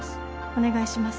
お願いします。